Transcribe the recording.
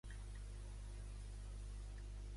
De què acusa el bander al portador de l'escopeta?